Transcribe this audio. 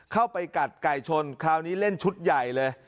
เข้าไปกัดไก่ชนคราวนี้เล่นชุดใหญ่เลย